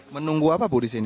menunggu apa bu di sini